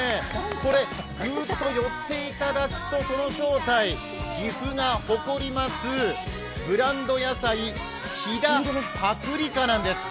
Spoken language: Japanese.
これ、グッと寄っていただくとこの正体、岐阜が誇りますブランド野菜飛騨パプリカなんです。